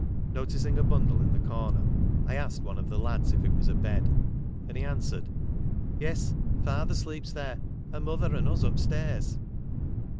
Noticing a bundle in the comer, I asked one of the lads if it was a bed, and he answered : les^ father sleeps there, and mother and us up stairs."